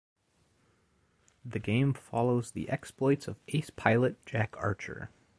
The game follows the exploits of ace pilot Jack Archer.